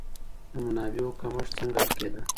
د منابعو کمښت څنګه حل کيده؟